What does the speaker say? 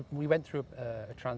kami melalui perjalanan